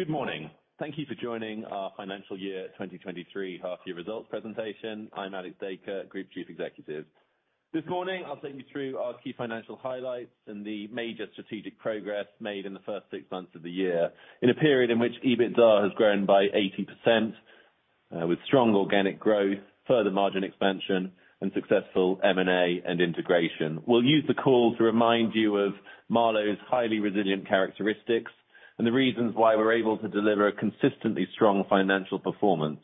Good morning. Thank you for joining our financial year 2023 half year results presentation. I'm Alex Dacre, Group Chief Executive. This morning, I'll take you through our key financial highlights and the major strategic progress made in the first six months of the year, in a period in which EBITDA has grown by 80%, with strong organic growth, further margin expansion and successful M&A and integration. We'll use the call to remind you of Marlowe's highly resilient characteristics and the reasons why we're able to deliver a consistently strong financial performance.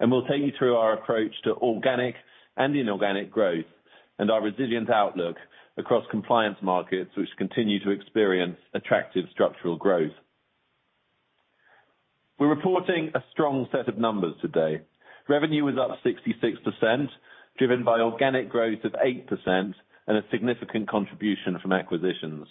We'll take you through our approach to organic and inorganic growth and our resilient outlook across compliance markets, which continue to experience attractive structural growth. We're reporting a strong set of numbers today. Revenue was up 66%, driven by organic growth of 8% and a significant contribution from acquisitions.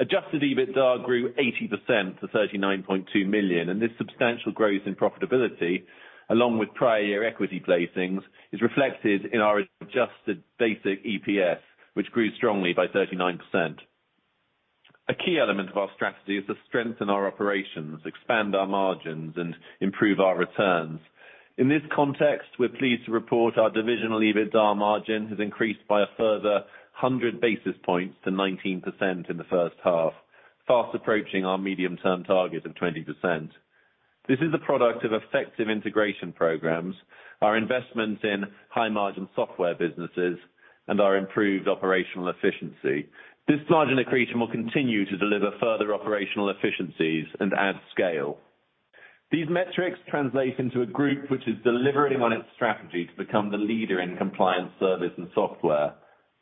Adjusted EBITDA grew 80% to 39.2 million. This substantial growth in profitability, along with prior year equity placings, is reflected in our adjusted basic EPS, which grew strongly by 39%. A key element of our strategy is to strengthen our operations, expand our margins, and improve our returns. In this context, we're pleased to report our divisional EBITDA margin has increased by a further 100 basis points to 19% in the first half, fast approaching our medium-term target of 20%. This is a product of effective integration programs, our investment in high-margin software businesses, and our improved operational efficiency. This margin accretion will continue to deliver further operational efficiencies and add scale. These metrics translate into a group which is delivering on its strategy to become the leader in compliance service and software.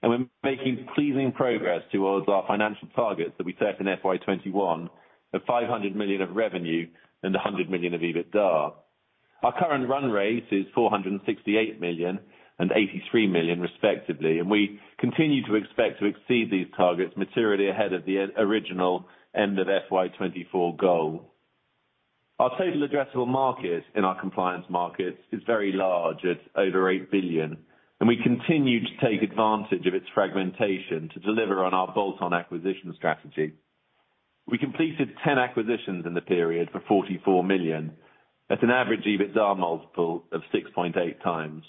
We're making pleasing progress towards our financial targets that we set in FY 2021 of 500 million of revenue and 100 million of EBITDA. Our current run rate is 468 million and 83 million respectively, and we continue to expect to exceed these targets materially ahead of the original end of FY 2024 goal. Our total addressable market in our compliance markets is very large at over 8 billion, and we continue to take advantage of its fragmentation to deliver on our bolt-on acquisition strategy. We completed 10 acquisitions in the period for 44 million at an average EBITDA multiple of 6.8x.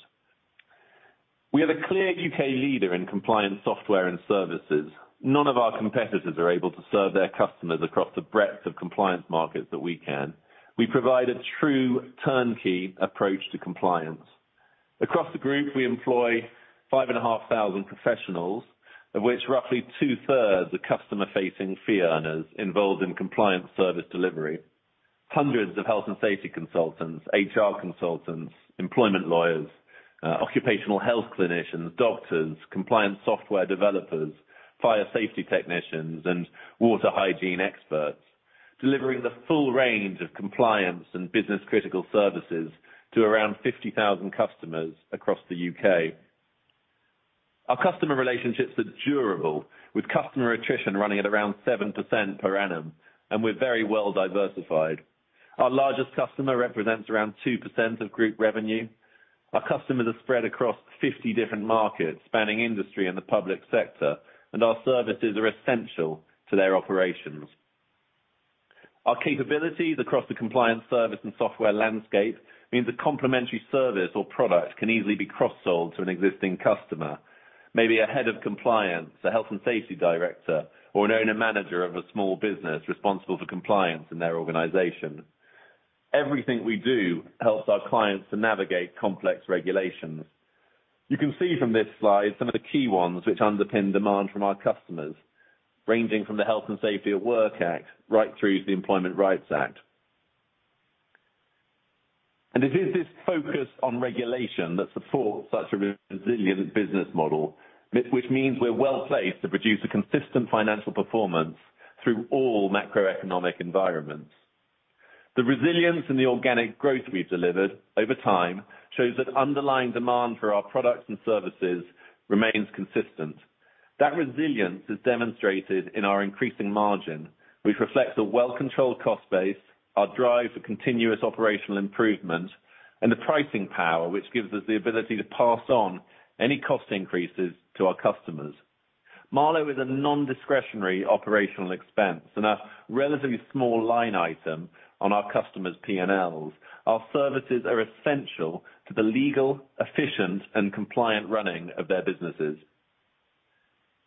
We are the clear UK leader in compliance software and services. None of our competitors are able to serve their customers across the breadth of compliance markets that we can. We provide a true turnkey approach to compliance. Across the group, we employ 5,500 professionals, of which roughly 2/3 are customer-facing fee earners involved in compliance service delivery. Hundreds of health and safety consultants, HR consultants, employment lawyers, occupational health clinicians, doctors, compliance software developers, fire safety technicians, and water hygiene experts, delivering the full range of compliance and business-critical services to around 50,000 customers across the U.K. Our customer relationships are durable, with customer attrition running at around 7% per annum, and we're very well diversified. Our largest customer represents around 2% of group revenue. Our customers are spread across 50 different markets, spanning industry and the public sector, and our services are essential to their operations. Our capabilities across the compliance service and software landscape means a complementary service or product can easily be cross-sold to an existing customer, maybe a head of compliance, a health and safety director, or an owner-manager of a small business responsible for compliance in their organization. Everything we do helps our clients to navigate complex regulations. You can see from this slide some of the key ones which underpin demand from our customers, ranging from the Health and Safety at Work Act right through to the Employment Rights Act. It is this focus on regulation that supports such a resilient business model, which means we're well placed to produce a consistent financial performance through all macroeconomic environments. The resilience and the organic growth we've delivered over time shows that underlying demand for our products and services remains consistent. That resilience is demonstrated in our increasing margin, which reflects a well-controlled cost base, our drive for continuous operational improvement, and the pricing power, which gives us the ability to pass on any cost increases to our customers. Marlowe is a non-discretionary operational expense and a relatively small line item on our customers' P&Ls. Our services are essential to the legal, efficient, and compliant running of their businesses.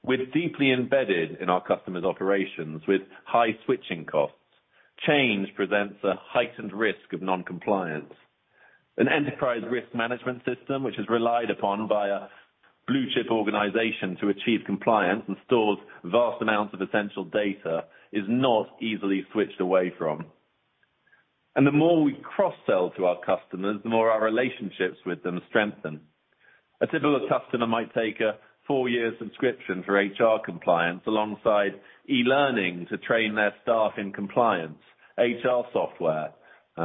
We're deeply embedded in our customers' operations with high switching costs. Change presents a heightened risk of non-compliance. An enterprise risk management system, which is relied upon by a blue-chip organization to achieve compliance and stores vast amounts of essential data, is not easily switched away from. The more we cross-sell to our customers, the more our relationships with them strengthen. A typical customer might take a four-year subscription for HR compliance alongside e-learning to train their staff in compliance, HR software,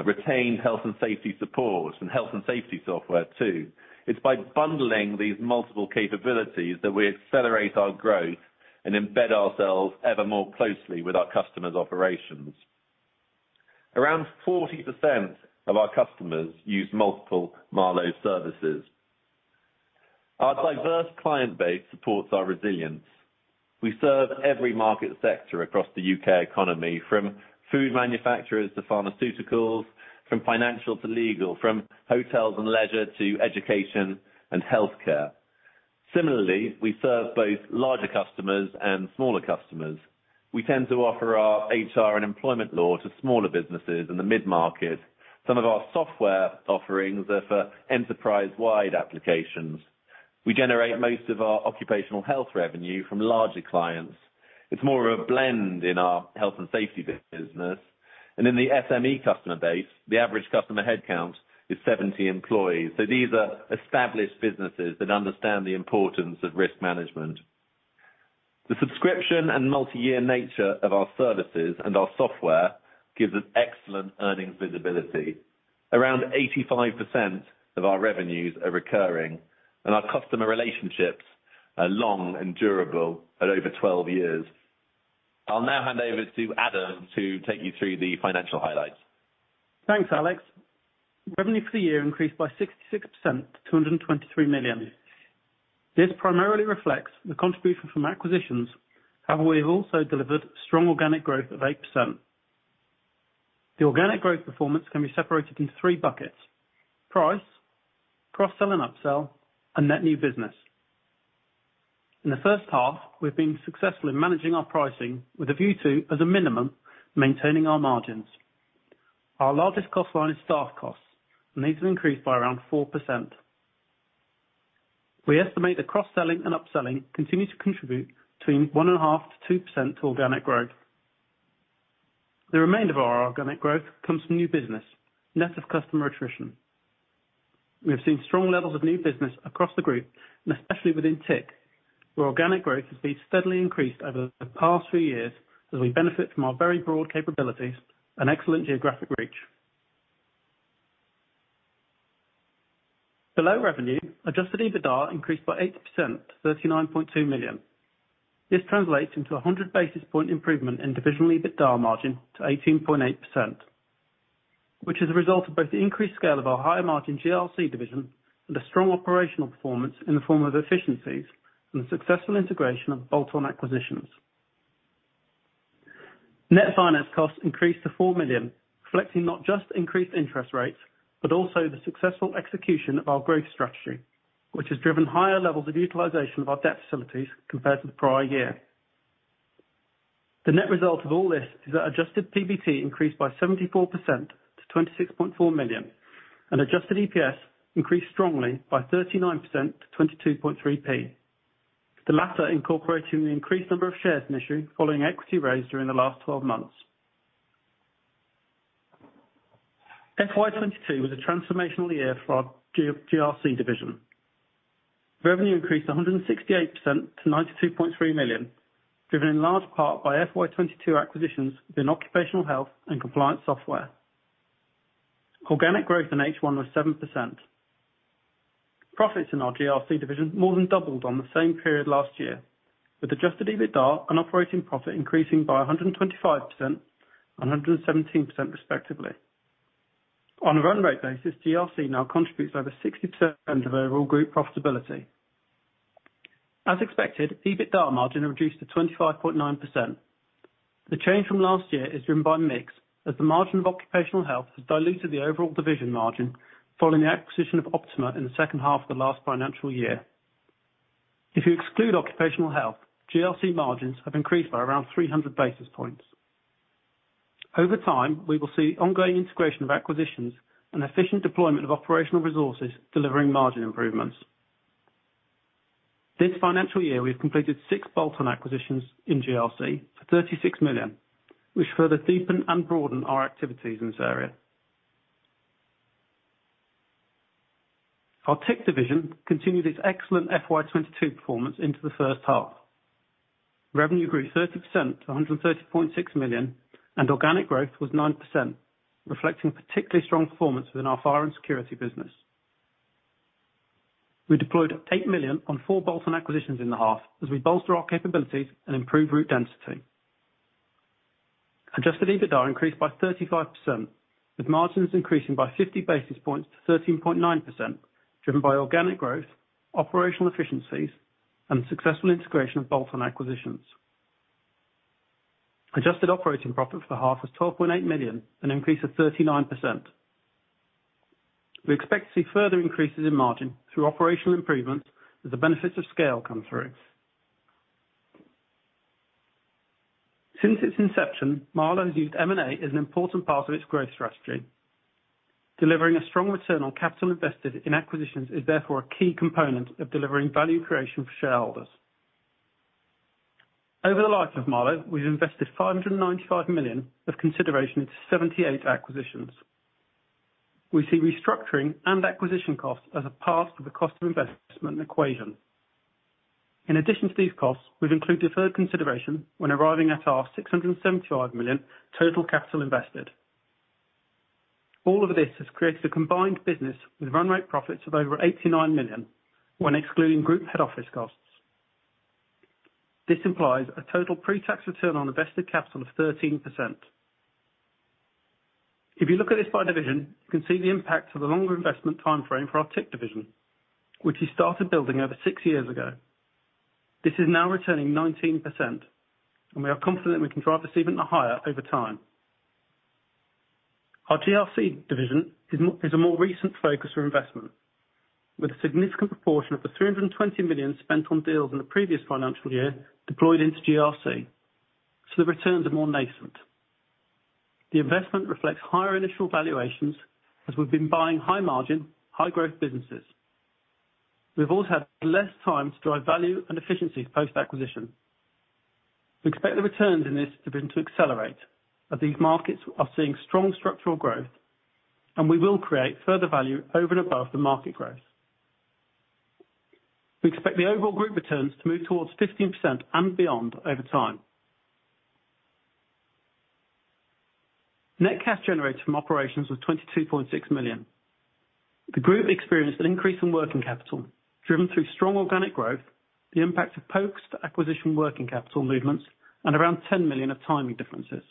retained health and safety support, and health and safety software too. It's by bundling these multiple capabilities that we accelerate our growth and embed ourselves ever more closely with our customers' operations. Around 40% of our customers use multiple Marlowe services. Our diverse client base supports our resilience. We serve every market sector across the U.K. economy, from food manufacturers to pharmaceuticals, from financial to legal, from hotels and leisure to education and healthcare. Similarly, we serve both larger customers and smaller customers. We tend to offer our HR and employment law to smaller businesses in the mid-market. Some of our software offerings are for enterprise-wide applications. We generate most of our occupational health revenue from larger clients. It's more of a blend in our health and safety business. In the SME customer base, the average customer head count is 70 employees. These are established businesses that understand the importance of risk management. The subscription and multi-year nature of our services and our software gives us excellent earnings visibility. Around 85% of our revenues are recurring, and our customer relationships are long and durable at over 12 years. I'll now hand over to Adam to take you through the financial highlights. Thanks, Alex. Revenue for the year increased by 66% to 223 million. This primarily reflects the contribution from acquisitions. However, we have also delivered strong organic growth of 8%. The organic growth performance can be separated into three buckets: price, cross-sell and upsell, and net new business. In the first half, we've been successful in managing our pricing with a view to, as a minimum, maintaining our margins. Our largest cost line is staff costs, and these have increased by around 4%. We estimate that cross-selling and upselling continue to contribute between 1.5%-2% to organic growth. The remainder of our organic growth comes from new business, net of customer attrition. We have seen strong levels of new business across the group, especially within TIC, where organic growth has been steadily increased over the past three years as we benefit from our very broad capabilities and excellent geographic reach. Below revenue, adjusted EBITDA increased by 8% to 39.2 million. This translates into a 100 basis point improvement in divisional EBITDA margin to 18.8%, which is a result of both the increased scale of our higher margin GRC division and a strong operational performance in the form of efficiencies and successful integration of bolt-on acquisitions. Net finance costs increased to 4 million, reflecting not just increased interest rates, but also the successful execution of our growth strategy, which has driven higher levels of utilization of our debt facilities compared to the prior year. The net result of all this is that adjusted PBT increased by 74% to 26.4 million, and adjusted EPS increased strongly by 39% to 0.223. The latter incorporating the increased number of shares in issue following equity raise during the last 12 months. FY 2022 was a transformational year for our GRC division. Revenue increased 168% to 92.3 million, driven in large part by FY 2022 acquisitions within occupational health and compliance software. Organic growth in H1 was 7%. Profits in our GRC division more than doubled on the same period last year, with adjusted EBITDA and operating profit increasing by 125% and 117% respectively. On a run rate basis, GRC now contributes over 60% of our overall group profitability. As expected, EBITDA margin reduced to 25.9%. The change from last year is driven by mix, as the margin of occupational health has diluted the overall division margin following the acquisition of Optima in the second half of the last financial year. If you exclude occupational health, GRC margins have increased by around 300 basis points. Over time, we will see ongoing integration of acquisitions and efficient deployment of operational resources delivering margin improvements. This financial year, we've completed six bolt-on acquisitions in GRC for 36 million, which further deepen and broaden our activities in this area. Our tech division continued its excellent FY 2022 performance into the first half. Revenue grew 30% to 130.6 million, and organic growth was 9%, reflecting particularly strong performance within our fire and security business. We deployed 8 million on four bolt-on acquisitions in the half as we bolster our capabilities and improve route density. Adjusted EBITDA increased by 35%, with margins increasing by 50 basis points to 13.9%, driven by organic growth, operational efficiencies, and successful integration of bolt-on acquisitions. Adjusted operating profit for the half was 12.8 million, an increase of 39%. We expect to see further increases in margin through operational improvements as the benefits of scale come through. Since its inception, Marlowe has used M&A as an important part of its growth strategy. Delivering a strong return on capital invested in acquisitions is therefore a key component of delivering value creation for shareholders. Over the life of Marlowe, we've invested 595 million of consideration into 78 acquisitions. We see restructuring and acquisition costs as a part of the cost of investment equation. In addition to these costs, we've included deferred consideration when arriving at our 675 million total capital invested. All of this has created a combined business with run rate profits of over 89 million when excluding group head office costs. This implies a total pre-tax return on invested capital of 13%. You look at this by division, you can see the impact of the longer investment time frame for our TIC division, which we started building over six years ago. This is now returning 19%, and we are confident we can drive this even higher over time. Our GRC division is a more recent focus for investment, with a significant proportion of the 320 million spent on deals in the previous financial year deployed into GRC. The returns are more nascent. The investment reflects higher initial valuations as we've been buying high margin, high growth businesses. We've also had less time to drive value and efficiency post-acquisition. We expect the returns in this division to accelerate as these markets are seeing strong structural growth, and we will create further value over and above the market growth. We expect the overall group returns to move towards 15% and beyond over time. Net cash generated from operations was 22.6 million. The group experienced an increase in working capital driven through strong organic growth, the impact of POCTs acquisition working capital movements, and around 10 million of timing differences.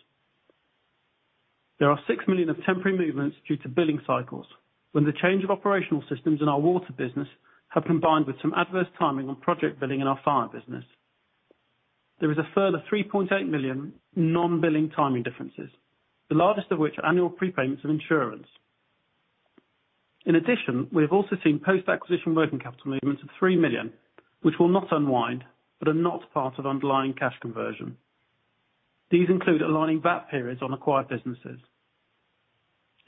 There are 6 million of temporary movements due to billing cycles. When the change of operational systems in our water business have combined with some adverse timing on project billing in our fire business. There is a further 3.8 million non-billing timing differences, the largest of which are annual prepayments of insurance. We have also seen post-acquisition working capital movements of 3 million, which will not unwind, but are not part of underlying cash conversion. These include aligning VAT periods on acquired businesses.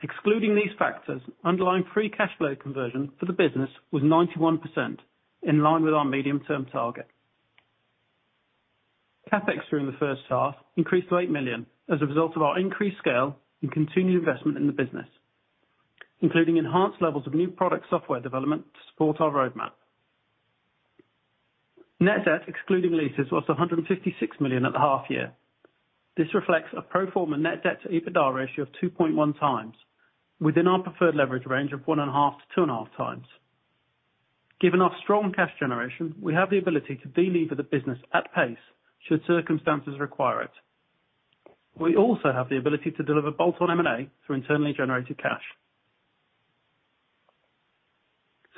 Excluding these factors, underlying free cash flow conversion for the business was 91% in line with our medium-term target. CapEx during the first half increased to 8 million as a result of our increased scale and continued investment in the business, including enhanced levels of new product software development to support our roadmap. Net debt, excluding leases, was 156 million at the half year. This reflects a pro forma net debt to EBITDA ratio of 2.1x within our preferred leverage range of 1.5x-2.5x. Given our strong cash generation, we have the ability to delever the business at pace should circumstances require it. We also have the ability to deliver bolt-on M&A through internally generated cash.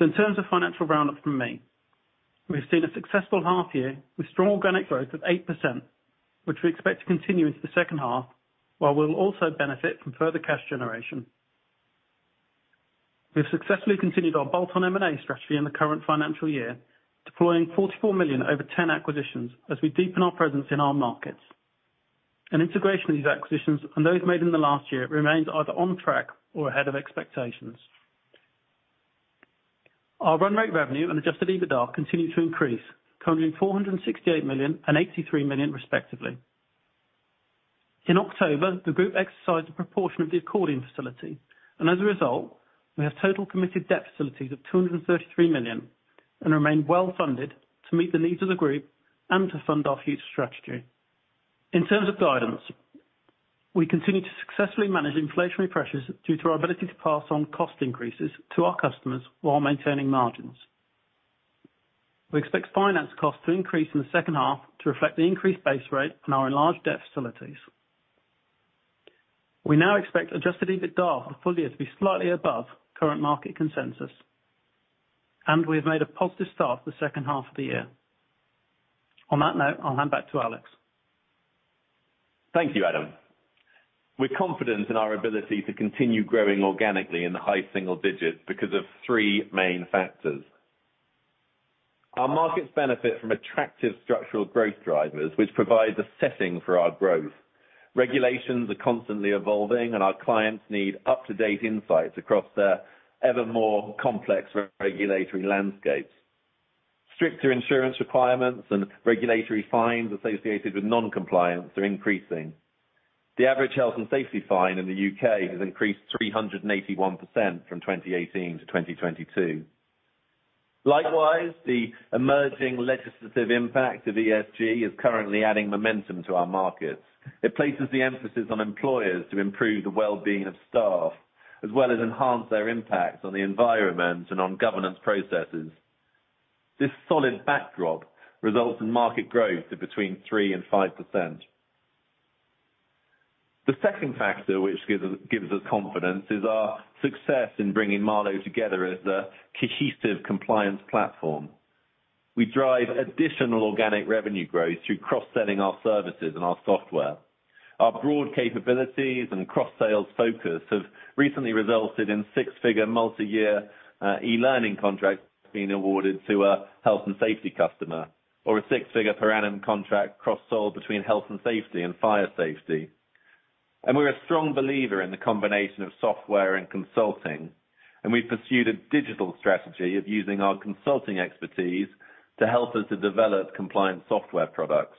In terms of financial roundup from me, we've seen a successful half year with strong organic growth of 8%, which we expect to continue into the second half, while we'll also benefit from further cash generation. We have successfully continued our bolt-on M&A strategy in the current financial year, deploying 44 million over 10 acquisitions as we deepen our presence in our markets. Integration of these acquisitions and those made in the last year remains either on track or ahead of expectations. Our run rate revenue and adjusted EBITDA continue to increase, coming in 468 million and 83 million respectively. In October, the group exercised a proportion of the accordion facility. As a result, we have total committed debt facilities of 233 million and remain well funded to meet the needs of the group and to fund our future strategy. In terms of guidance, we continue to successfully manage inflationary pressures due to our ability to pass on cost increases to our customers while maintaining margins. We expect finance costs to increase in the second half to reflect the increased base rate on our enlarged debt facilities. We now expect adjusted EBITDA for full year to be slightly above current market consensus. We have made a positive start the second half of the year. On that note, I'll hand back to Alex. Thank you, Adam. We're confident in our ability to continue growing organically in the high single digits because of three main factors. Our markets benefit from attractive structural growth drivers, which provides a setting for our growth. Regulations are constantly evolving, and our clients need up-to-date insights across their ever more complex regulatory landscapes. Stricter insurance requirements and regulatory fines associated with non-compliance are increasing. The average health and safety fine in the U.K. has increased 381% from 2018 to 2022. Likewise, the emerging legislative impact of ESG is currently adding momentum to our markets. It places the emphasis on employers to improve the well-being of staff, as well as enhance their impact on the environment and on governance processes. This solid backdrop results in market growth of between 3% and 5%. The second factor which gives us confidence is our success in bringing Marlowe together as a cohesive compliance platform. We drive additional organic revenue growth through cross-selling our services and our software. Our broad capabilities and cross-sales focus have recently resulted in six-figure multi-year e-learning contracts being awarded to a health and safety customer or a six-figure per annum contract cross-sold between health and safety and fire safety. We're a strong believer in the combination of software and consulting, and we pursued a digital strategy of using our consulting expertise to help us to develop compliance software products.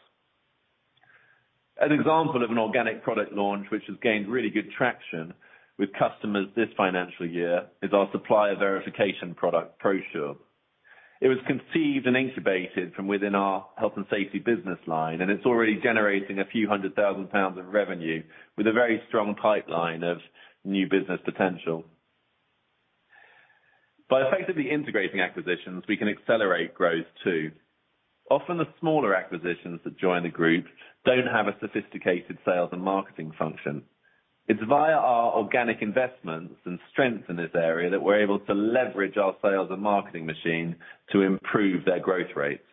An example of an organic product launch, which has gained really good traction with customers this financial year, is our supplier verification product, ProSure. It was conceived and incubated from within our health and safety business line. It's already generating a few hundred thousand GBP of revenue with a very strong pipeline of new business potential. Effectively integrating acquisitions, we can accelerate growth too. Often the smaller acquisitions that join the group don't have a sophisticated sales and marketing function. It's via our organic investments and strengths in this area that we're able to leverage our sales and marketing machine to improve their growth rates.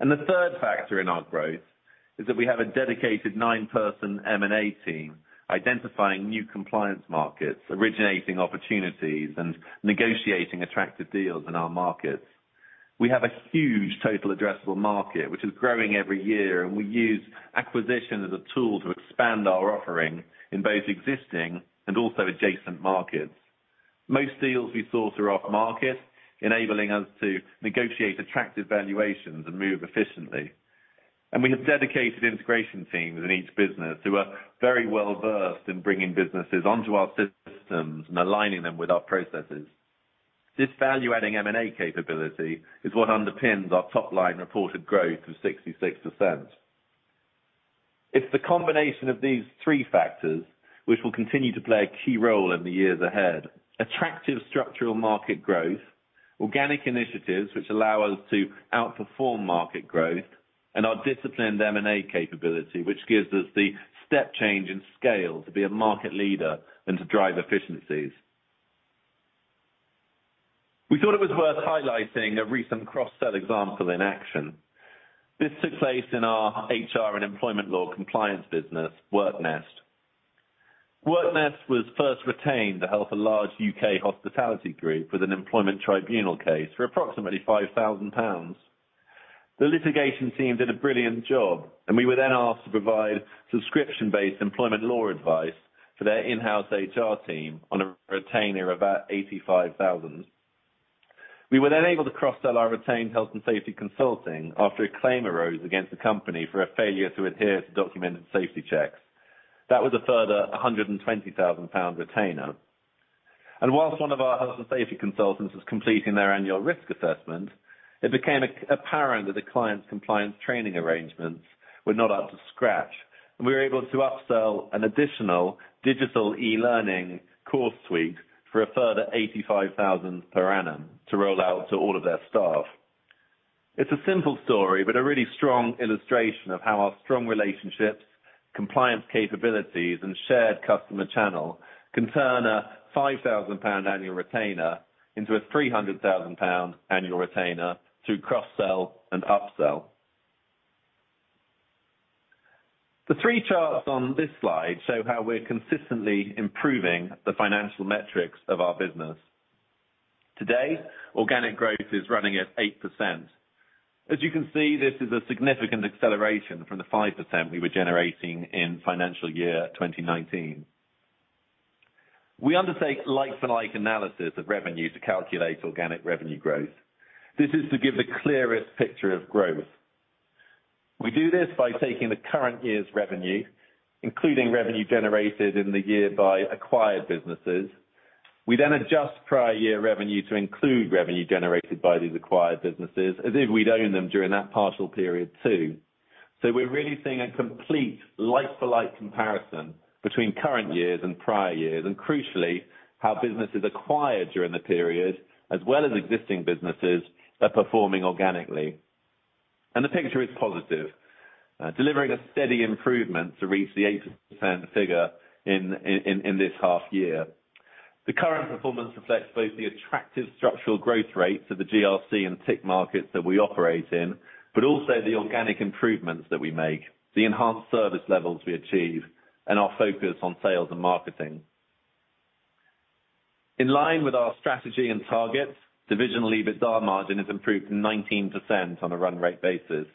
The third factor in our growth is that we have a dedicated nine-person M&A team identifying new compliance markets, originating opportunities, and negotiating attractive deals in our markets. We have a huge total addressable market, which is growing every year. We use acquisition as a tool to expand our offering in both existing and also adjacent markets. Most deals we source are off-market, enabling us to negotiate attractive valuations and move efficiently. We have dedicated integration teams in each business who are very well-versed in bringing businesses onto our systems and aligning them with our processes. This value-adding M&A capability is what underpins our top-line reported growth of 66%. It's the combination of these three factors which will continue to play a key role in the years ahead. Attractive structural market growth, organic initiatives which allow us to outperform market growth, and our disciplined M&A capability, which gives us the step change in scale to be a market leader and to drive efficiencies. We thought it was worth highlighting a recent cross-sell example in action. This took place in our HR and employment law compliance business, WorkNest. WorkNest was first retained to help a large U.K. hospitality group with an employment tribunal case for approximately 5,000 pounds. The litigation team did a brilliant job, We were then asked to provide subscription-based employment law advice for their in-house HR team on a retainer of about 85,000. We were then able to cross-sell our retained health and safety consulting after a claim arose against the company for a failure to adhere to documented safety checks. That was a further 120,000 pound retainer. Whilst one of our health and safety consultants was completing their annual risk assessment, it became apparent that the client's compliance training arrangements were not up to scratch, and we were able to upsell an additional digital e-learning course suite for a further 85,000 per annum to roll out to all of their staff. A simple story, a really strong illustration of how our strong relationships, compliance capabilities, and shared customer channel can turn a 5,000 pound annual retainer into a 300,000 pound annual retainer through cross-sell and upsell. The three charts on this slide show how we're consistently improving the financial metrics of our business. Today, organic growth is running at 8%. As you can see, this is a significant acceleration from the 5% we were generating in financial year 2019. We undertake like-for-like analysis of revenue to calculate organic revenue growth. This is to give the clearest picture of growth. We do this by taking the current year's revenue, including revenue generated in the year by acquired businesses. We adjust prior year revenue to include revenue generated by these acquired businesses as if we'd owned them during that partial period too. We're really seeing a complete like-for-like comparison between current years and prior years, crucially, how businesses acquired during the period, as well as existing businesses, are performing organically. The picture is positive, delivering a steady improvement to reach the 8% figure in this half year. The current performance reflects both the attractive structural growth rates of the GRC and TIC markets that we operate in, also the organic improvements that we make, the enhanced service levels we achieve, and our focus on sales and marketing. In line with our strategy and targets, divisional EBITDA margin has improved 19% on a run rate basis.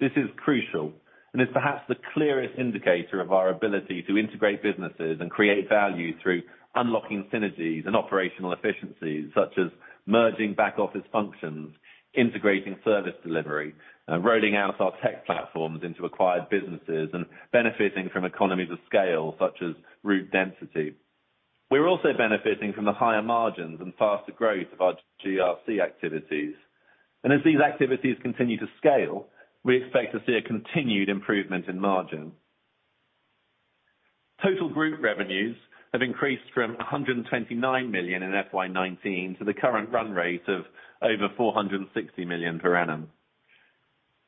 This is crucial and is perhaps the clearest indicator of our ability to integrate businesses and create value through unlocking synergies and operational efficiencies, such as merging back-office functions, integrating service delivery, rolling out our tech platforms into acquired businesses, and benefiting from economies of scale, such as route density. We're also benefiting from the higher margins and faster growth of our GRC activities. As these activities continue to scale, we expect to see a continued improvement in margin. Total group revenues have increased from 129 million in FY 2019 to the current run rate of over 460 million per annum.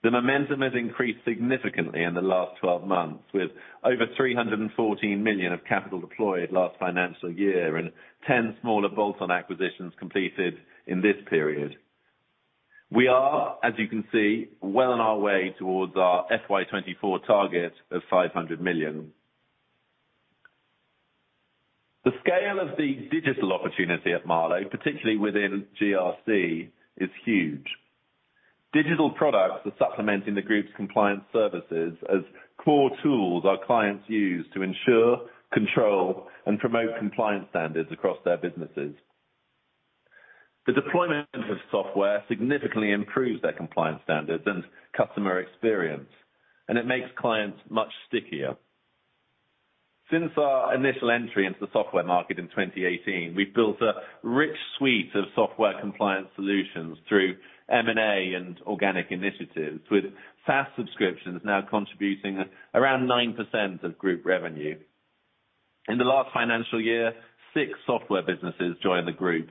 The momentum has increased significantly in the last 12 months, with over 314 million of capital deployed last financial year and 10 smaller bolt-on acquisitions completed in this period. We are, as you can see, well on our way towards our FY 2024 target of GBP 500 million. The scale of the digital opportunity at Marlowe, particularly within GRC, is huge. Digital products are supplementing the group's compliance services as core tools our clients use to ensure, control, and promote compliance standards across their businesses. The deployment of software significantly improves their compliance standards and customer experience, it makes clients much stickier. Since our initial entry into the software market in 2018, we've built a rich suite of software compliance solutions through M&A and organic initiatives, with SaaS subscriptions now contributing around 9% of group revenue. In the last financial year, six software businesses joined the group,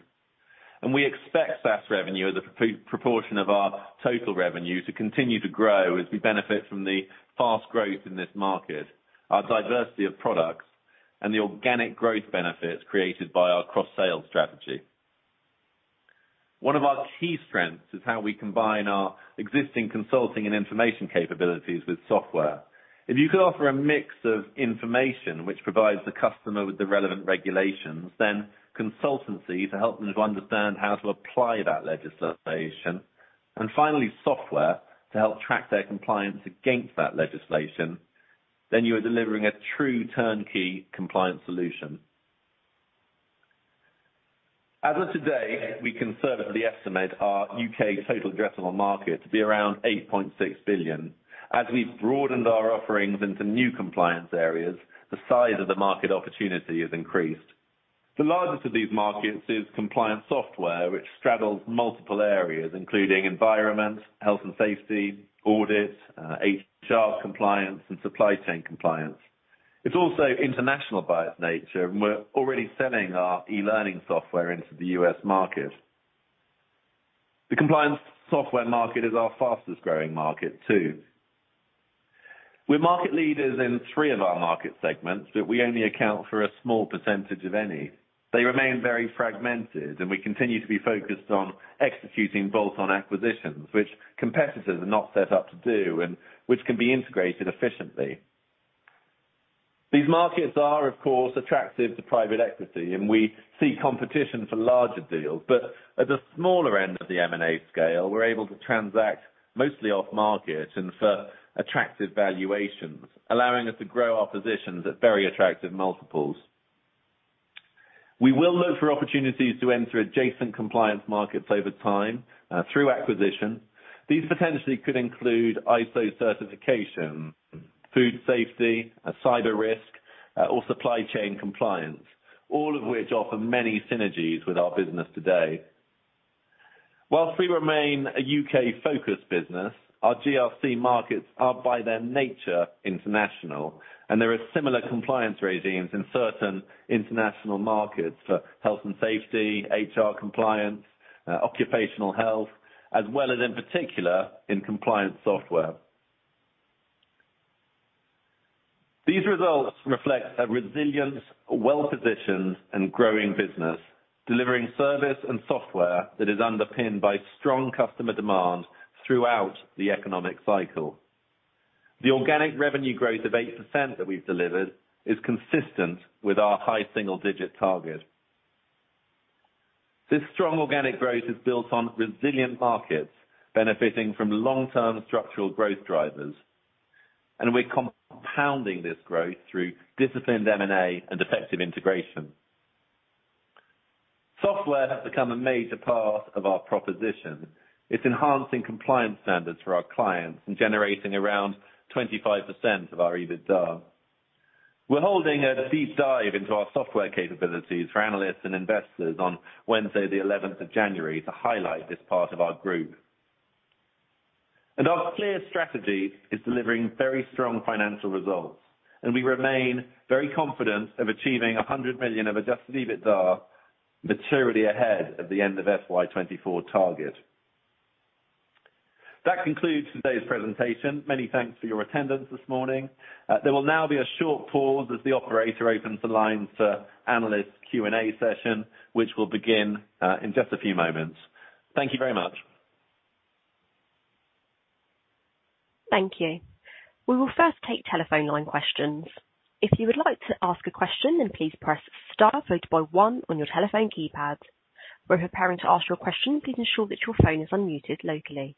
and we expect SaaS revenue as a proportion of our total revenue to continue to grow as we benefit from the fast growth in this market, our diversity of products, and the organic growth benefits created by our cross-sale strategy. One of our key strengths is how we combine our existing consulting and information capabilities with software. If you could offer a mix of information which provides the customer with the relevant regulations, then consultancy to help them to understand how to apply that legislation, and finally, software to help track their compliance against that legislation, then you are delivering a true turnkey compliance solution. As of today, we conservatively estimate our U.K. total addressable market to be around 8.6 billion. As we've broadened our offerings into new compliance areas, the size of the market opportunity has increased. The largest of these markets is compliance software, which straddles multiple areas including environment, health and safety, audit, HR compliance and supply chain compliance. It's also international by its nature, and we're already selling our e-learning software into the U.S. market. The compliance software market is our fastest-growing market too. We're market leaders in three of our market segments, but we only account for a small percentage of any. They remain very fragmented, and we continue to be focused on executing bolt-on acquisitions, which competitors are not set up to do and which can be integrated efficiently. These markets are, of course, attractive to private equity, and we see competition for larger deals. At the smaller end of the M&A scale, we're able to transact mostly off-market and for attractive valuations, allowing us to grow our positions at very attractive multiples. We will look for opportunities to enter adjacent compliance markets over time, through acquisition. These potentially could include ISO certification, food safety, cyber risk, or supply chain compliance, all of which offer many synergies with our business today. Whilst we remain a U.K.-focused business, our GRC markets are, by their nature, international, and there are similar compliance regimes in certain international markets for health and safety, HR compliance, occupational health, as well as in particular in compliance software. These results reflect a resilient, well-positioned, and growing business, delivering service and software that is underpinned by strong customer demand throughout the economic cycle. The organic revenue growth of 8% that we've delivered is consistent with our high single-digit target. This strong organic growth is built on resilient markets, benefiting from long-term structural growth drivers, and we're compounding this growth through disciplined M&A and effective integration. Software has become a major part of our proposition. It's enhancing compliance standards for our clients and generating around 25% of our EBITDA. We're holding a deep dive into our software capabilities for analysts and investors on Wednesday, the 11th of January to highlight this part of our group. Our clear strategy is delivering very strong financial results, and we remain very confident of achieving 100 million of adjusted EBITDA materially ahead of the end of FY 2024 target. That concludes today's presentation. Many thanks for your attendance this morning. There will now be a short pause as the operator opens the line to analyst Q&A session, which will begin in just a few moments. Thank you very much. Thank you. We will first take telephone line questions. If you would like to ask a question, please press star followed by one on your telephone keypad. When preparing to ask your question, please ensure that your phone is unmuted locally.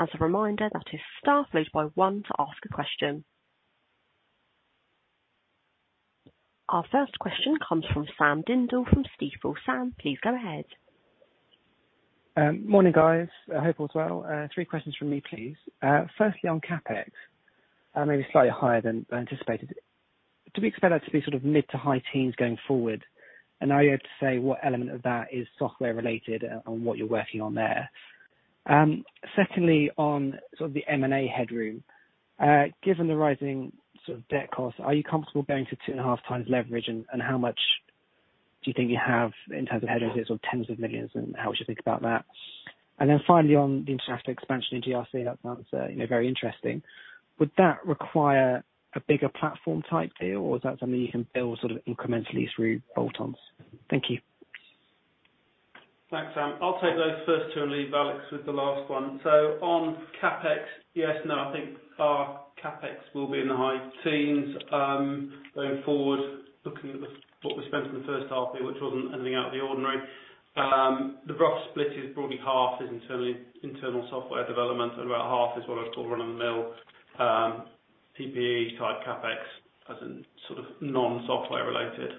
As a reminder, that is star followed by one to ask a question. Our first question comes from Sam Dindol from Stifel. Sam, please go ahead. Morning, guys. Hope all is well. Three questions from me, please. Firstly, on CapEx, maybe slightly higher than anticipated. To be expected that to be sort of mid to high teens going forward, are you able to say what element of that is software-related and what you're working on there? Secondly, on sort of the M&A headroom, given the rising sort of debt costs, are you comfortable going to 2.5x leverage? How much do you think you have in terms of headroom? Is it GBP 10s of millions, how would you think about that? Finally on the international expansion in GRC, that sounds, you know, very interesting. Would that require a bigger platform type deal, or is that something you can build sort of incrementally through bolt-ons? Thank you. Thanks, Sam. I'll take those first two and leave Alex with the last one. On CapEx, yes, no, I think our CapEx will be in the high teens going forward, looking at what we spent in the first half year, which wasn't anything out of the ordinary. The rough split is probably half is internal software development and about half is what I call run-of-the-mill PPE-type CapEx, as in sort of non-software-related.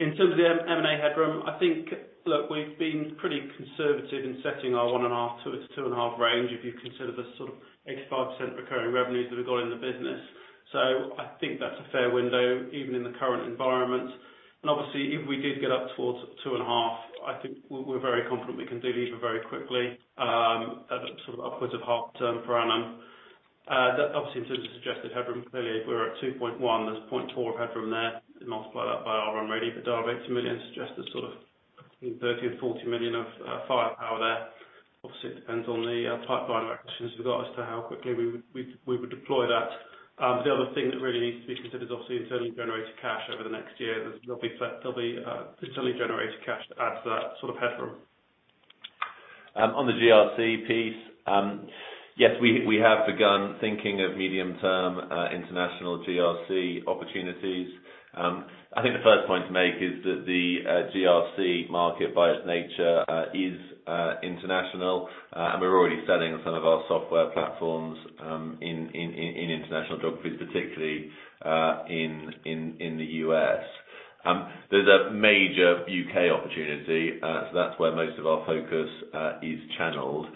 In terms of the M&A headroom, I think. Look, we've been pretty conservative in setting our 1.5x-2.5x range if you consider the sort of 85% recurring revenues that we've got in the business. I think that's a fair window even in the current environment. If we did get up towards 2.5x, I think we're very confident we can delever very quickly at a sort of upwards of half turn per annum. That obviously in terms of suggested headroom, clearly if we're at 2.1x, there's 0.4 of headroom there. You multiply that by our run rate EBITDA of 80 million, suggests a sort of 30 million or 40 million of firepower there. Obviously, it depends on the pipeline of acquisitions with regards to how quickly we would deploy that. The other thing that really needs to be considered obviously internally generated cash over the next year. There'll be internally generated cash to add to that sort of headroom. On the GRC piece, yes, we have begun thinking of medium-term international GRC opportunities. I think the first point to make is that the GRC market by its nature is international. We're already selling some of our software platforms in international geographies, particularly in the U.S. There's a major U.K. opportunity, so that's where most of our focus is channeled.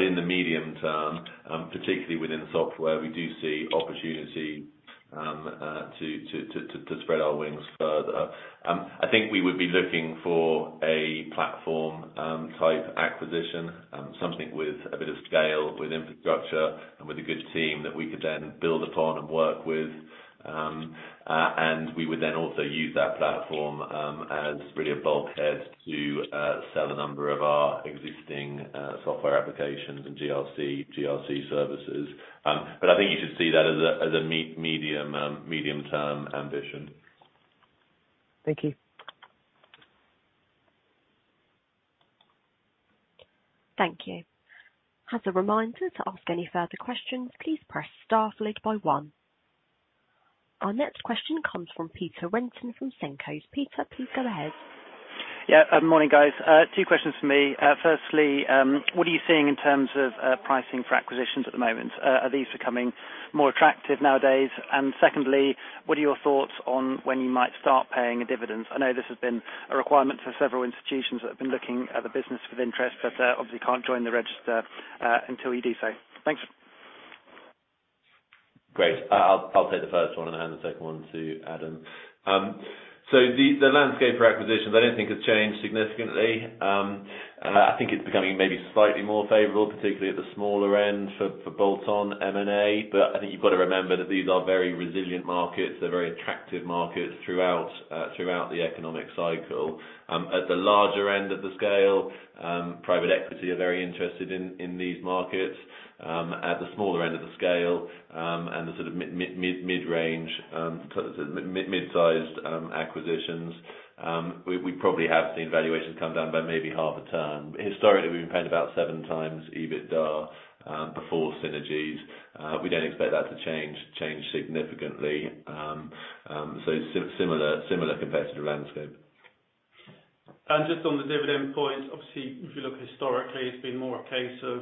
In the medium term, particularly within software, we do see opportunity to spread our wings further. I think we would be looking for a platform type acquisition. Something with a bit of scale, with infrastructure and with a good team that we could then build upon and work with. We would then also use that platform, as really a bulkhead to sell a number of our existing software applications and GRC services. I think you should see that as a medium-term ambition. Thank you. Thank you. As a reminder to ask any further questions, please press star followed by one. Our next question comes from Peter Renton from Cenkos. Peter, please go ahead. Yeah. Morning, guys. Two questions from me. Firstly, what are you seeing in terms of pricing for acquisitions at the moment? Are these becoming more attractive nowadays? Secondly, what are your thoughts on when you might start paying a dividend? I know this has been a requirement for several institutions that have been looking at the business with interest, but obviously can't join the register until you do so. Thanks. Great. I'll take the first one and hand the second one to Adam. The landscape for acquisitions I don't think has changed significantly. I think it's becoming maybe slightly more favorable, particularly at the smaller end for bolt-on M&A. I think you've got to remember that these are very resilient markets. They're very attractive markets throughout the economic cycle. At the larger end of the scale, private equity are very interested in these markets. At the smaller end of the scale, and the sort of mid-range, mid-sized acquisitions, we probably have seen valuations come down by maybe half a ton. Historically, we've been paying about 7x EBITDA before synergies. We don't expect that to change significantly. Similar competitive landscape. Just on the dividend point, obviously, if you look historically, it's been more a case of,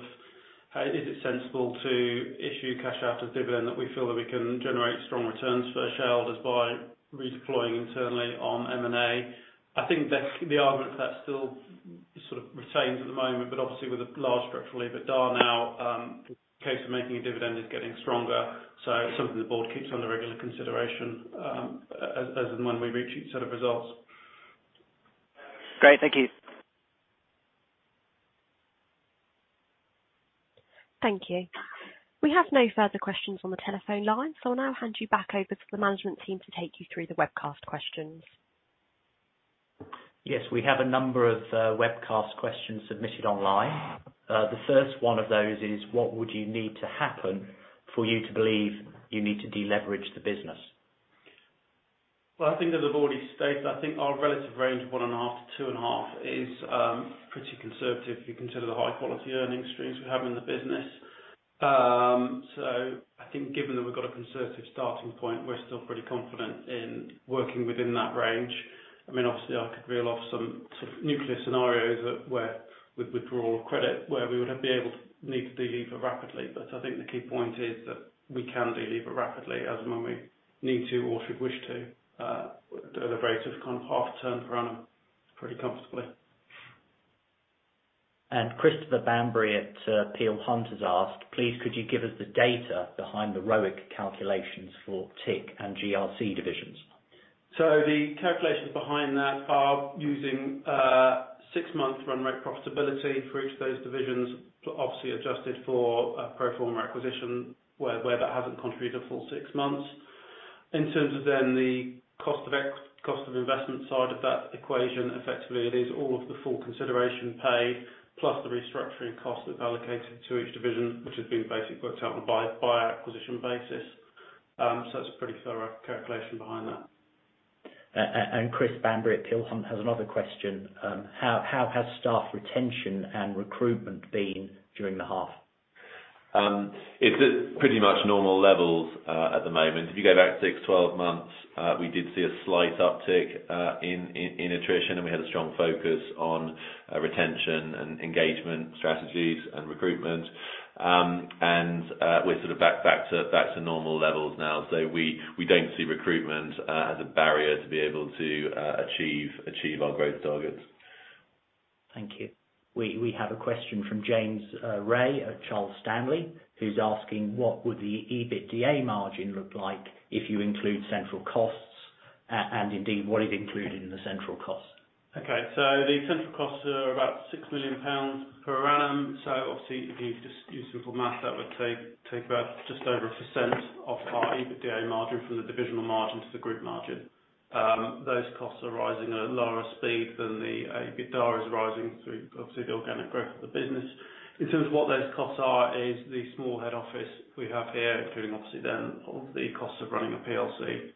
is it sensible to issue cash out as dividend that we feel that we can generate strong returns for our shareholders by redeploying internally on M&A. I think that's the argument that still sort of retains at the moment, but obviously with a large structural EBITDA now, the case for making a dividend is getting stronger. It's something the board keeps under regular consideration, as and when we reach each set of results. Great. Thank you. Thank you. We have no further questions on the telephone line. I'll now hand you back over to the management team to take you through the webcast questions. We have a number of webcast questions submitted online. The first one of those is, what would you need to happen for you to believe you need to deleverage the business? Well, I think as I've already stated, I think our relative range of 1.5x to 2.5x is pretty conservative if you consider the high-quality earning streams we have in the business. I think given that we've got a conservative starting point, we're still pretty confident in working within that range. I mean, obviously, I could reel off some sort of nuclear scenarios that with withdrawal of credit, need to delever rapidly. I think the key point is that we can delever rapidly as and when we need to or should wish to, at a rate of kind of half turn per annum pretty comfortably. Christopher Bamberry at Peel Hunt has asked, please could you give us the data behind the ROIC calculations for TIC and GRC divisions? The calculations behind that are using six-month run rate profitability for each of those divisions, obviously adjusted for pro forma acquisition where that hasn't contributed a full six months. In terms of the cost of investment side of that equation, effectively it is all of the full consideration paid, plus the restructuring cost that's allocated to each division, which has been basically worked out on a by acquisition basis. That's a pretty thorough calculation behind that. Chris Bamberry at Peel Hunt has another question. How has staff retention and recruitment been during the half? It's at pretty much normal levels at the moment. If you go back six, 12 months, we did see a slight uptick in attrition, and we had a strong focus on retention and engagement strategies and recruitment. We're sort of back to normal levels now. We don't see recruitment as a barrier to be able to achieve our growth targets. Thank you. We have a question from James Rae of Charles Stanley, who's asking what would the EBITDA margin look like if you include central costs, and indeed, what is included in the central costs? Okay. The central costs are about 6 million pounds per annum. Obviously, if you just use simple math, that would take about just over 1% off our EBITDA margin from the divisional margin to the group margin. Those costs are rising at a lower speed than the EBITDA is rising through, obviously, the organic growth of the business. In terms of what those costs are, is the small head office we have here, including obviously then all of the costs of running a PLC,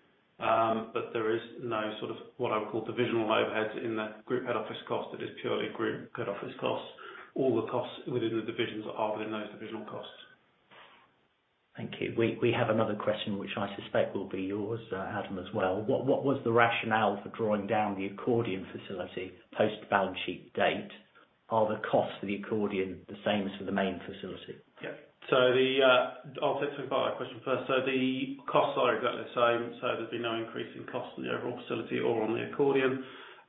but there is no sort of what I would call divisional overheads in the group head office cost. It is purely group head office costs. All the costs within the divisions are within those divisional costs. Thank you. We have another question which I suspect will be yours, Adam, as well. What was the rationale for drawing down the accordion facility post balance sheet date? Are the costs of the accordion the same as for the main facility? I'll take the second part of the question first. The costs are exactly the same, so there's been no increase in cost on the overall facility or on the accordion.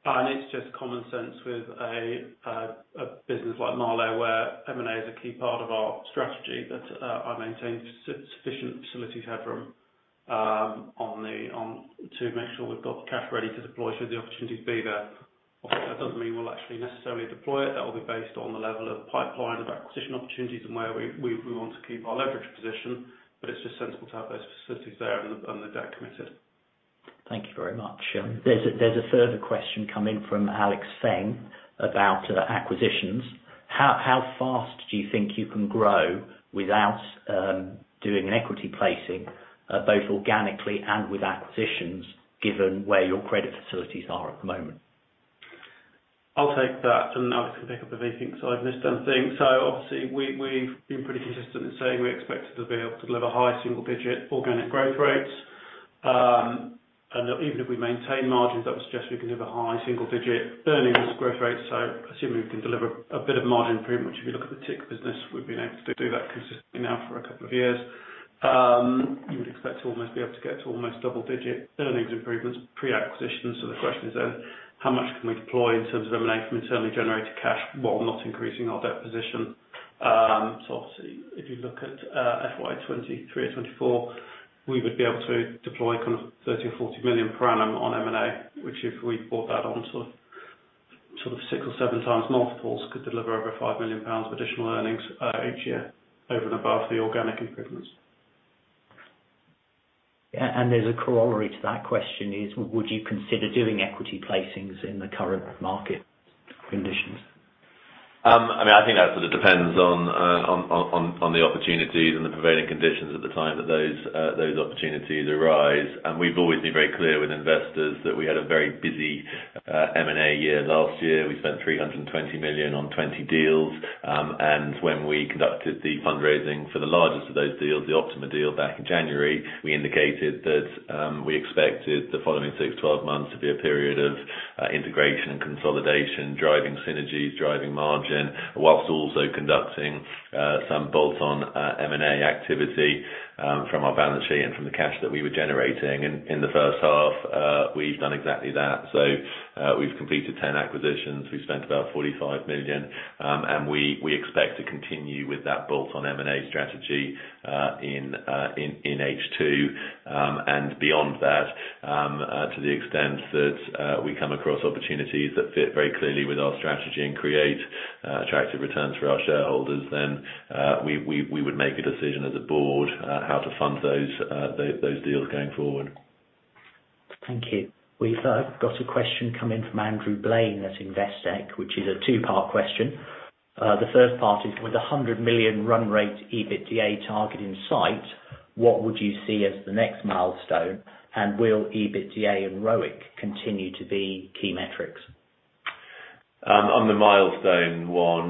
It's just common sense with a business like Marlowe, where M&A is a key part of our strategy that I maintain sufficient facility headroom to make sure we've got the cash ready to deploy should the opportunity be there. Obviously, that doesn't mean we'll actually necessarily deploy it. That will be based on the level of pipeline of acquisition opportunities and where we want to keep our leverage position, but it's just sensible to have those facilities there and the debt committed. Thank you very much. There's a further question coming from Alex Fane about acquisitions. How fast do you think you can grow without doing an equity placing, both organically and with acquisitions, given where your credit facilities are at the moment? I'll take that and Alex can pick up if he thinks I've missed anything. Obviously we've been pretty consistent in saying we expected to be able to deliver high single-digit organic growth rates. Even if we maintain margins, that would suggest we can deliver high single-digit earnings growth rates. Assuming we can deliver a bit of margin improvement, which if you look at the TIC business, we've been able to do that consistently now for a couple of years. You would expect to almost be able to get to almost double-digit earnings improvements pre-acquisition. The question is then, how much can we deploy in terms of M&A from internally generated cash while not increasing our debt position? Obviously, if you look at FY 2023 or FY 2024, we would be able to deploy kind of 30 million or 40 million per annum on M&A, which if we brought that on to sort of 6x or 7x multiples, could deliver over 5 million pounds of additional earnings each year over and above the organic improvements. Yeah. There's a corollary to that question is would you consider doing equity placings in the current market conditions? I mean, I think that sort of depends on the opportunities and the prevailing conditions at the time that those opportunities arise. We've always been very clear with investors that we had a very busy M&A year last year. We spent 320 million on 20 deals. When we conducted the fundraising for the largest of those deals, the Optima deal back in January, we indicated that we expected the following six, 12 months to be a period of integration and consolidation, driving synergies, driving margin, whilst also conducting some bolt-on M&A activity from our balance sheet and from the cash that we were generating. The first half, we've done exactly that. We've completed 10 acquisitions. We've spent about 45 million. We expect to continue with that bolt-on M&A strategy in H2, and beyond that, to the extent that we come across opportunities that fit very clearly with our strategy and create attractive returns for our shareholders, then we would make a decision as a board on how to fund those deals going forward. Thank you. We've got a question coming from Andrew Blane at Investec, which is a two-part question. The first part is, with a 100 million run rate EBITDA target in sight, what would you see as the next milestone? Will EBITDA and ROIC continue to be key metrics? On the milestone one,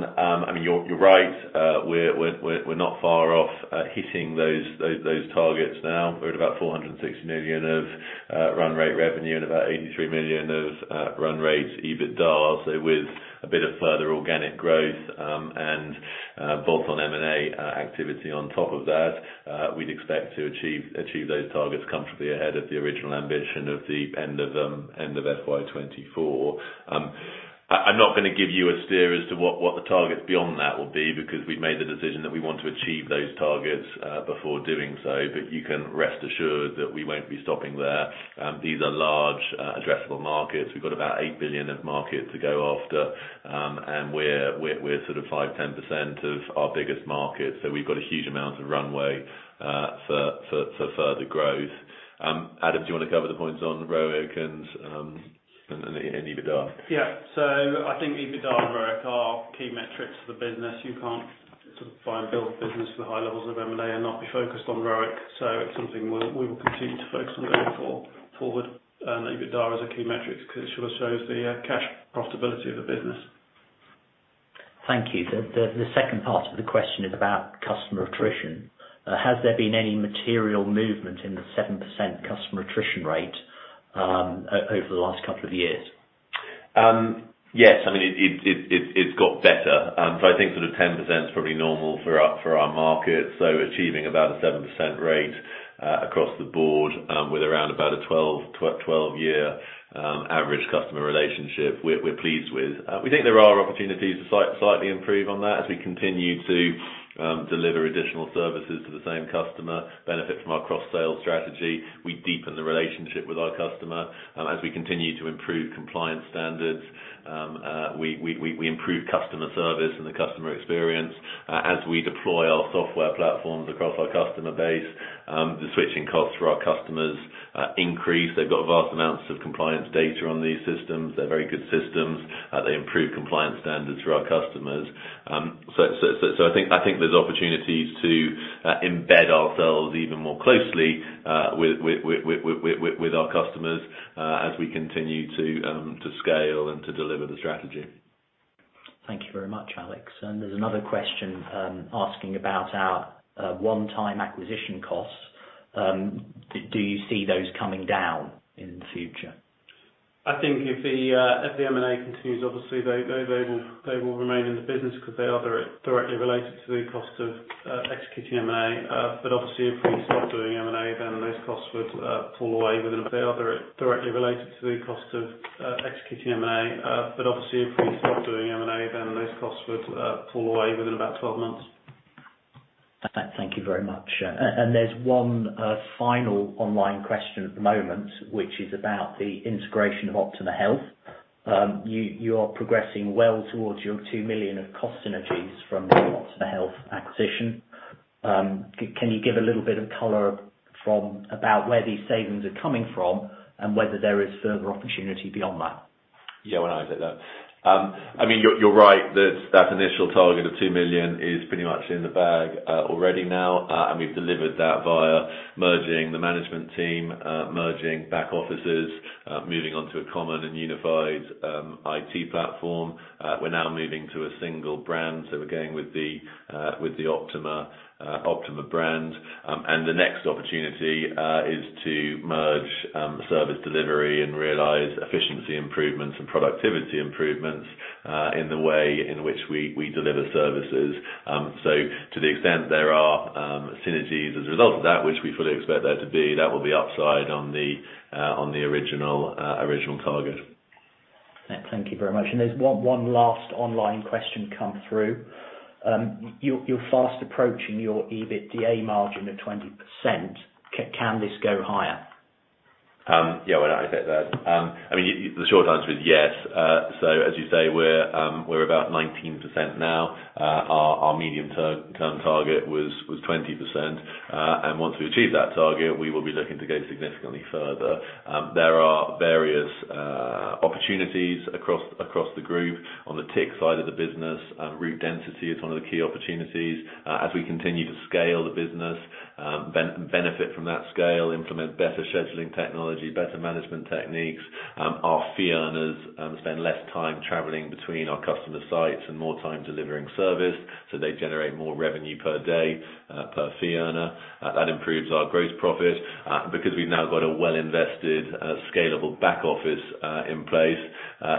you're right. We're not far off hitting those targets now. We're at about 460 million of run rate revenue and about 83 million of run rate EBITDA. With a bit of further organic growth and bolt-on M&A activity on top of that, we'd expect to achieve those targets comfortably ahead of the original ambition of the end of FY 2024. I'm not gonna give you a steer as to what the targets beyond that will be, because we made the decision that we want to achieve those targets before doing so. You can rest assured that we won't be stopping there. These are large addressable markets. We've got about 8 billion of market to go after. We're sort of 5%-10% of our biggest market. We've got a huge amount of runway for further growth. Adam, do you wanna cover the points on ROIC and EBITDA? Yeah. I think EBITDA and ROIC are key metrics for the business. You can't sort of buy and build business with high levels of M&A and not be focused on ROIC. It's something we will continue to focus on going forward. EBITDA is a key metric 'cause she shows the cash profitability of the business. Thank you. The second part of the question is about customer attrition. Has there been any material movement in the 7% customer attrition rate, over the last couple of years? Yes, I mean, it, it's got better. I think sort of 10% is probably normal for our, for our market. Achieving about a 7% rate across the board with around about a 12-year average customer relationship, we're pleased with. We think there are opportunities to slightly improve on that as we continue to deliver additional services to the same customer, benefit from our cross-sale strategy. We deepen the relationship with our customer. As we continue to improve compliance standards, we, we improve customer service and the customer experience. As we deploy our software platforms across our customer base, the switching costs for our customers increase. They've got vast amounts of compliance data on these systems. They're very good systems. They improve compliance standards for our customers. I think there's opportunities to embed ourselves even more closely with our customers as we continue to scale and to deliver the strategy. Thank you very much, Alex. There's another question asking about our one-time acquisition costs. Do you see those coming down in the future? I think if the if the M&A continues, obviously they will remain in the business because they are very directly related to the cost of executing M&A. Obviously, if we stop doing M&A, then those costs would fall away. They are directly related to the cost of executing M&A. Obviously, if we stop doing M&A, then those costs would fall away within about 12 months. Thank you very much. There's one final online question at the moment, which is about the integration of Optima Health. You are progressing well towards your 2 million of cost synergies from the Optima Health acquisition. Can you give a little bit of color from about where these savings are coming from and whether there is further opportunity beyond that? Yeah. Why don't I take that? I mean, you're right. That initial target of 2 million is pretty much in the bag already now. We've delivered that via merging the management team, merging back-offices, moving on to a common and unified IT platform. We're now moving to a single brand. We're going with the Optima brand. The next opportunity is to merge service delivery and realize efficiency improvements and productivity improvements in the way in which we deliver services. To the extent there are synergies as a result of that, which we fully expect there to be, that will be upside on the original original target. Thank you very much. There's one last online question come through. You're fast approaching your EBITDA margin of 20%. Can this go higher? Yeah. Why don't I take that? I mean, the short answer is yes. As you say, we're 19% now. Our medium-term target was 20%. Once we achieve that target, we will be looking to go significantly further. There are various opportunities across the group on the TIC side of the business. Route density is one of the key opportunities. As we continue to scale the business, benefit from that scale, implement better scheduling technology, better management techniques, our fee earners spend less time traveling between our customer sites and more time delivering service, they generate more revenue per day per fee earner. That improves our gross profit. Because we've now got a well-invested, scalable back-office in place,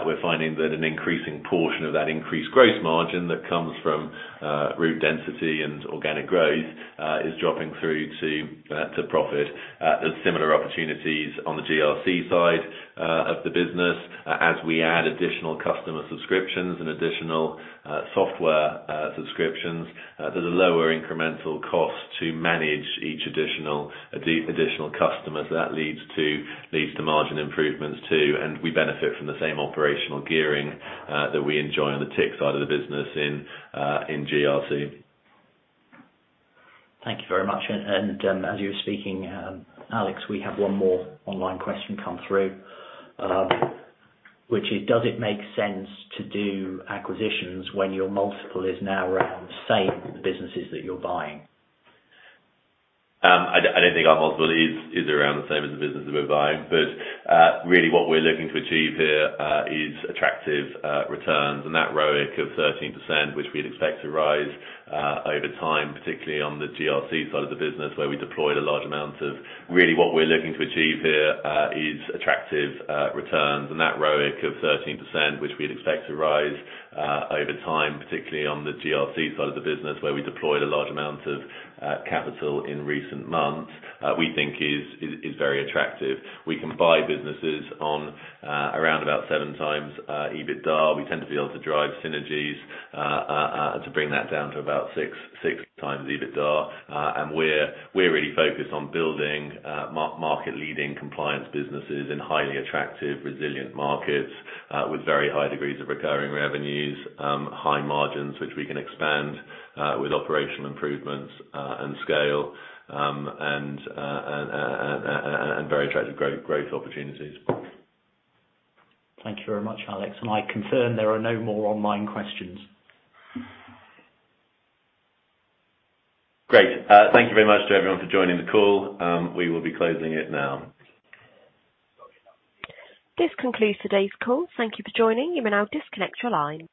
we're finding that an increasing portion of that increased gross margin that comes from route density and organic growth is dropping through to profit. There's similar opportunities on the GRC side of the business. As we add additional customer subscriptions and additional software subscriptions, there's a lower incremental cost to manage each additional customer. That leads to margin improvements too, and we benefit from the same operational gearing that we enjoy on the TIC side of the business in GRC. Thank you very much. As you were speaking, Alex, we have one more online question come through. Which is, does it make sense to do acquisitions when your multiple is now around the same as the businesses that you're buying? I don't think our multiple is around the same as the business that we're buying. Really what we're looking to achieve here is attractive returns and that ROIC of 13%, which we'd expect to rise over time, particularly on the GRC side of the business, where we deployed a large amount of capital in recent months, we think is very attractive. We can buy businesses on around about 7x EBITDA. We tend to be able to drive synergies to bring that down to about 6x EBITDA. We're really focused on building market leading compliance businesses in highly attractive, resilient markets, with very high degrees of recurring revenues, high margins, which we can expand with operational improvements, and scale, and very attractive growth opportunities. Thank you very much, Alex. I confirm there are no more online questions. Great. Thank you very much to everyone for joining the call. We will be closing it now. This concludes today's call. Thank you for joining. You may now disconnect your line.